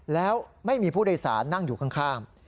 แล้วไม่มีผู้โดยสารนั่งอยู่ข้าง